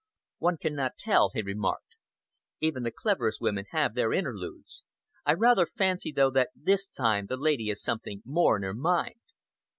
"One cannot tell," he remarked. "Even the cleverest women have their interludes. I rather fancy, though, that this time the lady has something more in her mind."